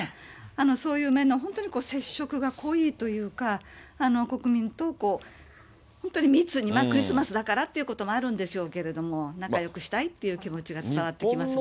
そういう面で、本当に接触が濃いというか、国民と本当に密に、クリスマスだからってこともあるんでしょうけれども、仲よくしたいっていう気持ちが伝わってきますね。